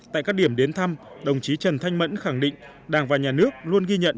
tại các điểm đến thăm đồng chí trần thanh mẫn khẳng định đảng và nhà nước luôn ghi nhận